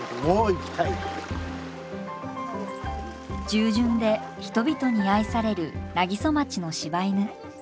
従順で人々に愛される南木曽町の柴犬。